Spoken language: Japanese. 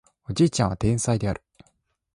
おじいちゃんは天才である